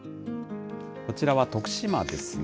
こちらは徳島ですね。